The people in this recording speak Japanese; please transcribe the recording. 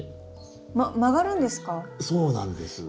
ま曲がるんですか？